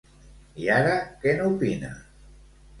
I ara què n'opina?